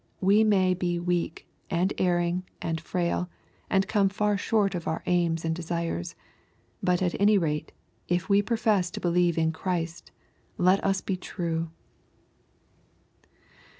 We may be weak, and erring, and frail, and come far short of our aims and desires. But at any rate, if we profess to be lieve in Christ, let us be true.